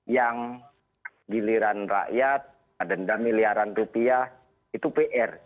yang giliran rakyat denda miliaran rupiah itu pr